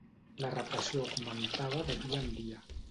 La repressió augmentava de dia en dia.